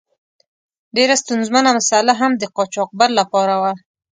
ډیره ستونزمنه مساله هم د قاچاقبر له پاره وه.